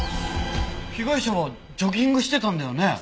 被害者はジョギングしてたんだよね？